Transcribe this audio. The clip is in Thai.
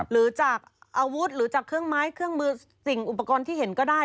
หรือจากอาวุธหรือจากเครื่องไม้เครื่องมือสิ่งอุปกรณ์ที่เห็นก็ได้